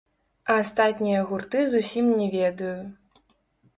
А астатнія гурты зусім не ведаю.